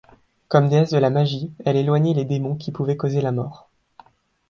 Comme déesse de la magie, elle éloignait les démons qui pouvaient causer la mort.